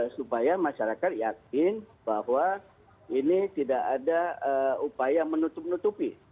supaya masyarakat yakin bahwa ini tidak ada upaya menutup nutupi